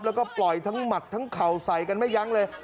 แล้วก็ปล่อยทั้งหมัดทั้งเข่าใส่กันไม่ยั้งเลย